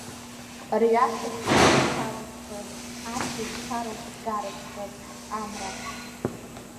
Рҩашуп ацәа салызхыз, ашьыжь шароуп сгарызхыз, Амра…